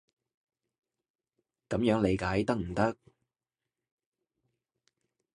噉樣理解得唔得？